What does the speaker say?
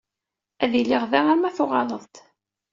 Ad iliɣ da arma tuɣaleḍ-d.